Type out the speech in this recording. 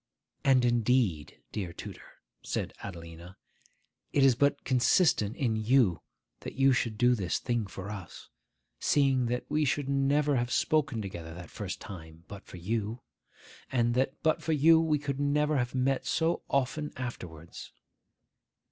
'And indeed, dear tutor,' said Adelina, 'it is but consistent in you that you should do this thing for us, seeing that we should never have spoken together that first time but for you, and that but for you we could never have met so often afterwards.